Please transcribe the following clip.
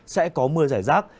sẽ có mưa dài rác